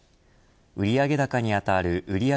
売上高に当たる売上